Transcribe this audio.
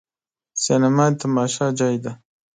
سینما د تماشا ځای دی.